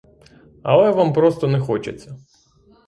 Але вам просто не хочеться!